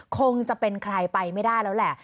คงจะเป็นใครไปไม่ได้แล้วแหละ